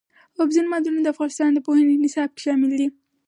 اوبزین معدنونه د افغانستان د پوهنې نصاب کې شامل دي.